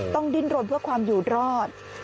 ดิ้นรนเพื่อความอยู่รอด